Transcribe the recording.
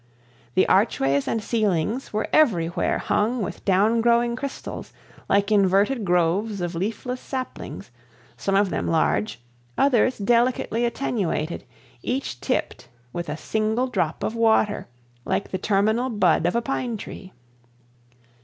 The archways and ceilings were everywhere hung with down growing crystals, like inverted groves of leafless saplings, some of them large, others delicately attenuated, each tipped with a single drop of water, like the terminal bud of a pine tree.